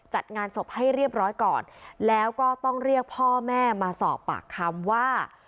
จัดงานศพให้เรียบร้อยก่อนแล้วก็ต้องเรียกพ่อแม่มาสอบปากคำว่า